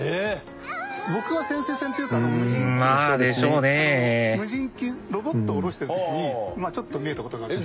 僕は潜水船というか無人機ロボットを下ろしてる時にちょっと見えた事があって。